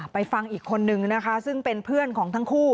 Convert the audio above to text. ไปฟังอีกคนนึงนะคะซึ่งเป็นเพื่อนของทั้งคู่